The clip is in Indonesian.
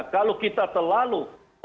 kalau kita terlalu